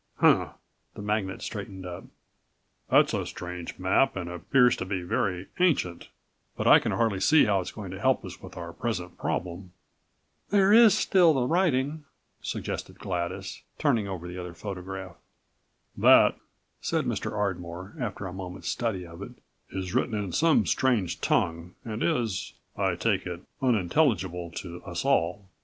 "Huh!" The magnate straightened up. "That's a strange map and appears to be very ancient, but I can hardly see how it is going to help us with our present problem."97 "There is still the writing," suggested Gladys, turning over the other photograph. "That," said Mr. Ardmore, after a moment's study of it, "is written in some strange tongue and is, I take it, unintelligible to us all."